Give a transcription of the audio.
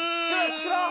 作ろう！